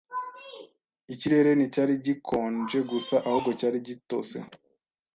Ikirere nticyari gikonje gusa, ahubwo cyari gitose.